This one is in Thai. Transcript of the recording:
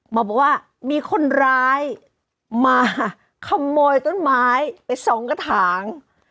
บอกว่ามีคนร้ายมาขโมยต้นไม้ไปสองกระถาง